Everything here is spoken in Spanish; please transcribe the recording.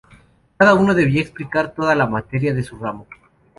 Cada uno debía explicar toda la materia de su ramo.